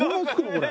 これ。